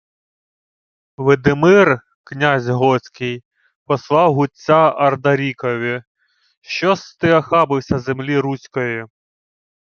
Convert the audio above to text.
— Видимир, князь готський, послав гудця Ардарікові, що-с ти охабився землі Руської.